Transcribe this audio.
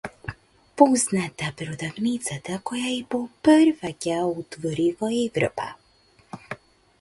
Позната продавницата која Епл прва ќе ја отвори во Европа